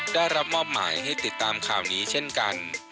ได้รับมอบหมายให้ติดตามข่าวนี้เช่นกัน